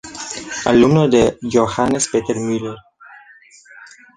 Alumno de Johannes Peter Müller.